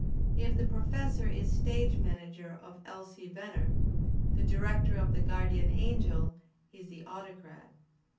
If the Professor is stage manager of "Elsie Ven ner," the director of "The Guardian Angel" is the Autocrat.